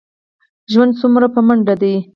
ژوند څومره په منډه دی.